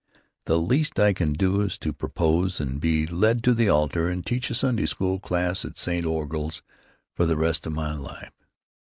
—the least I can do is to propose and be led to the altar and teach a Sunday school class at St. Orgul's for the rest of my life!